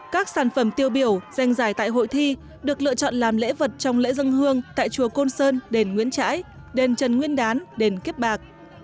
các sản phẩm tiêu biểu dành giải tại hội thi được lựa chọn làm lễ vật trong lễ dân hương tại chùa côn sơn đền nguyễn trãi đền trần nguyên đán đền kiếp bạc